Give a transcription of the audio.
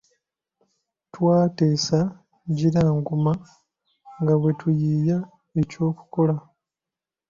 Twateesa ngira nguma nga bwe tuyiiya ekyokukola.